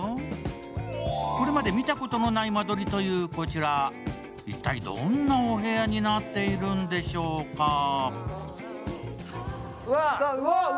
これまで見たことのない間取りというこちら、一体、どんなお部屋になっているんでしょうか？